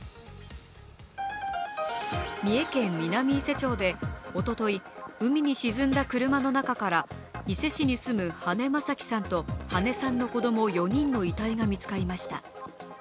三重県南伊勢町でおととい、海に沈んだ車の中から伊勢市に住む羽根正樹さんと羽根さんの子供の４人の遺体が見つかりました。